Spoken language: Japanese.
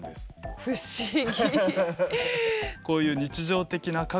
不思議！